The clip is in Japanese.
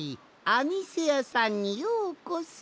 「あみせやさん」にようこそ。